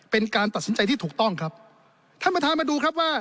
เป็นการตัดสินใจที่ถูกต้องครับท่านประธานมาดูครับว่า